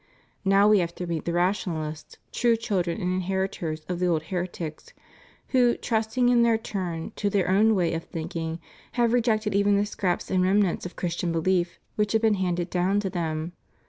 Now we have to meet the rationalists, true children and inheritors of the older heretics, who, trusting in their turn to their OAvn way of thinking, have rejected even the scraps and renmants of Christian belief which had been handed down to them.